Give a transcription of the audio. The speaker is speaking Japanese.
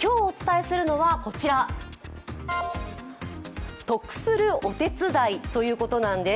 今日お伝えするのはこちら、トクするおてつだいということなんです。